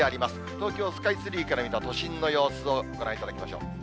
東京スカイツリーから見た都心の様子をご覧いただきましょう。